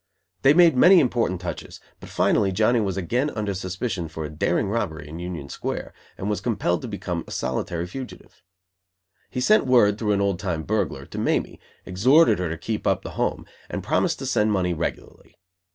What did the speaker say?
They made many important touches, but finally Johnny was again under suspicion for a daring robbery in Union Square, and was compelled to become a solitary fugitive. He sent word, through an old time burglar, to Mamie, exhorted her to keep up the home, and promised to send money regularly.